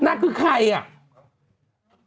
นั่นคือใครอ่ะ